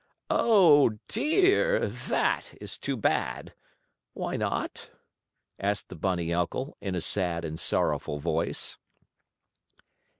"Oh, dear! That is too bad! Why not?" asked the bunny uncle, in a sad and sorrowful voice.